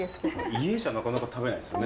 家じゃなかなか食べないですよね。